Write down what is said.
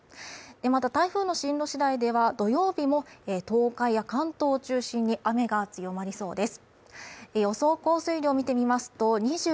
また台風の進路次第では土曜日も東海や関東を中心に雨が強まりそうです。